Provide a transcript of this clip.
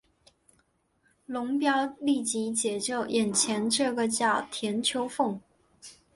龙飙立即解救眼前这个叫田秋凤。